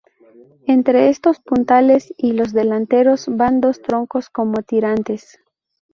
Entre estos puntales y los delanteros van dos troncos como tirantes.